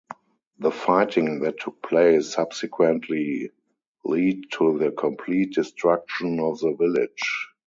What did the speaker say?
The fighting that took place subsequently lead to the complete destruction of the village.